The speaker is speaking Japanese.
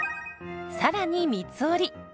さらに三つ折り。